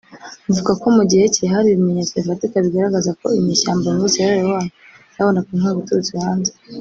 mvuga ko mu gihe cye hari ibimenyetso bifatika bigaragaza ko inyeshyamba muri Sierra Leone zabonaga inkunga iturutse hanze